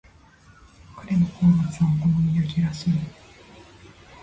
彼の好物はお好み焼きらしい。